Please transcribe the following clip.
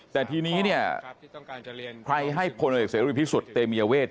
แต่ทีนี้ใครให้ผลเด็กเสร็จวิทย์ที่สุดเตมเยเวช